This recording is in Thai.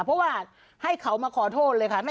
เพราะว่าให้เขามาขอโทษเลยค่ะ